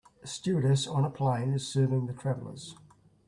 A stewardess on an airplane is serving the travelers.